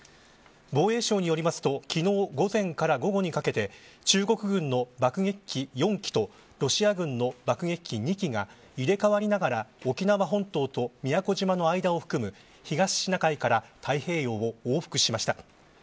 防衛省によりますと、昨日午前から午後にかけて中国軍の爆撃機４機とロシア軍の爆撃機２機が入れ替わりながら沖縄本島と宮古島の間を含む東シナ海から太平洋を往復しました。